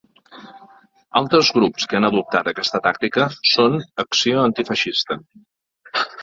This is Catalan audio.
Altres grups que han adoptat aquesta tàctica són Acció Antifeixista.